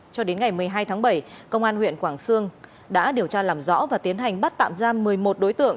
cho đến ngày một mươi hai tháng bảy công an huyện quảng sương đã điều tra làm rõ và tiến hành bắt tạm giam một mươi một đối tượng